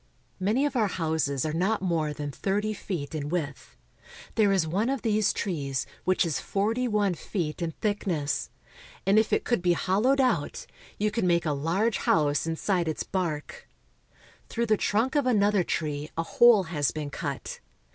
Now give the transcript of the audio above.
Many of our houses are not more than thirty feet in width. There is one of these trees which is forty one feet in thickness, and if it could be hollowed out, you could make a large house inside its bark. Through the trunk of another tree a hole has been cut.